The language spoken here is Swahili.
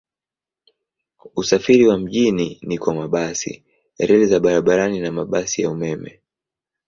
Usafiri wa mjini ni kwa mabasi, reli za barabarani na mabasi ya umeme.